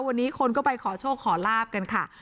วันนี้คนก็ไปขอโชคขอลาบกันค่ะ